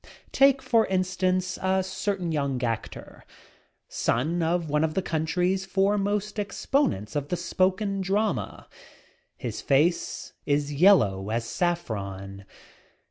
Take for instance a certain young actor, son of one of the country's foremost exponents of the spoken drama. His face is yellow as saffron.